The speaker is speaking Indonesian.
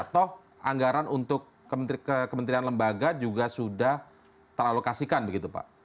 toh anggaran untuk kementerian lembaga juga sudah teralokasikan begitu pak